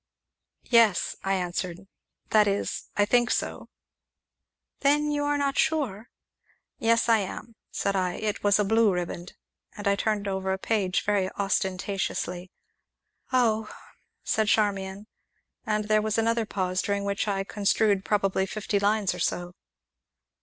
"Yes," I answered; "that is I think so." "Then you are not sure?" "Yes, I am," said I; "it was a blue riband," and I turned over a page very ostentatiously. "Oh!" said Charmian, and there was another pause, during which I construed probably fifty lines or so.